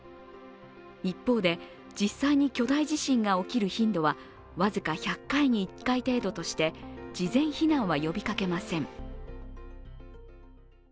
一方で、実際に巨大地震が起きる頻度は僅か１００回に１回程度として事前避難は呼びかけません。